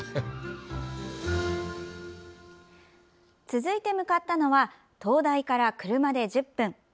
続いて向かったのは灯台から車で１０分。